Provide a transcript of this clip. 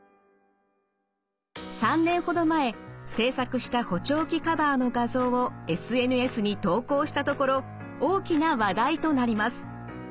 ３年ほど前制作した補聴器カバーの画像をＳＮＳに投稿したところ大きな話題となります。